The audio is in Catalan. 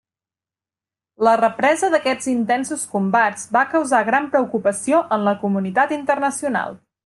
La represa d'aquests intensos combats va causar gran preocupació en la comunitat internacional.